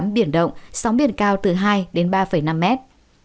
biển động sóng biển cao từ hai đến ba năm mét